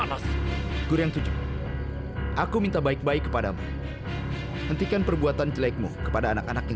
sampai jumpa di video selanjutnya